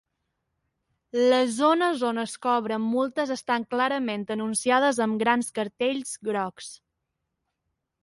Les zones on es cobren multes estan clarament anunciades amb grans cartells grocs.